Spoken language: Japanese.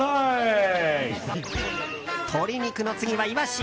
鶏肉の次はイワシ。